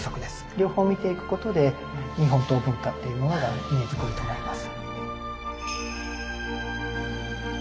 両方見ていくことで日本刀文化っていうものが見えてくると思います。